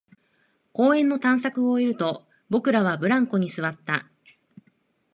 公園の探索を終えると、僕らはブランコに座った